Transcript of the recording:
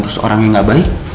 terus orangnya gak baik